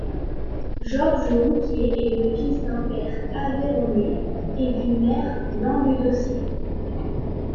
Georges Rouquier est le fils d'un père aveyronnais et d'une mère languedocienne.